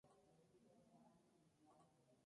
Desova en la zona intermareal.